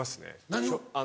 何を？